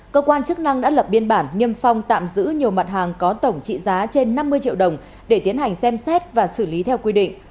cơ quan chức năng đã lập biên bản niêm phong tạm giữ nhiều mặt hàng có tổng trị giá trên năm mươi triệu đồng để tiến hành xem xét và xử lý theo quy định